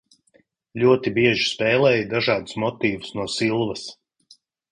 "Ļoti bieži spēlēja dažādus motīvus no "Silvas"."